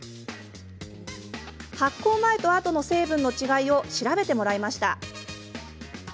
発酵前と後の成分の違いを調べてもらいました。